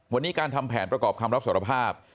วันนี้การทำแผนประกอบคำรับสารภาพ